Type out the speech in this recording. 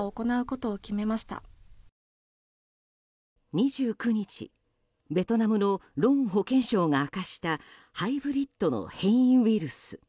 ２９日、ベトナムのロン保健相が明かしたハイブリッドの変異ウイルス。